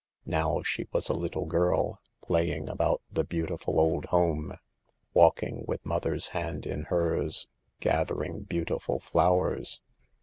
Now she was a little girl, playing about the beautiful old home, walking with mother's hand in hers, gathering beautiful flowers.